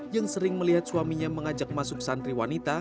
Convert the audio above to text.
yang sering melihat suaminya mengajak masuk santriwanita